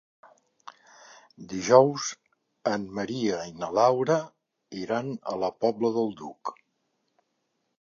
Dijous en Maria i na Laura iran a la Pobla del Duc.